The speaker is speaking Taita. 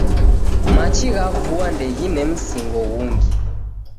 Machi gha vua ndeghine msingo ghungi